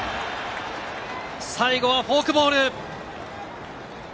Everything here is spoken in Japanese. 最後はフォークボール。